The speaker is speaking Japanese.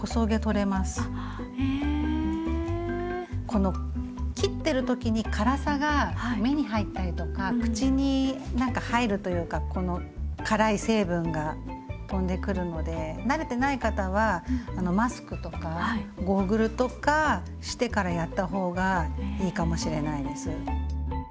この切ってる時に辛さが目に入ったりとか口に何か入るというかこの辛い成分が飛んでくるので慣れてない方はマスクとかゴーグルとかしてからやった方がいいかもしれないです。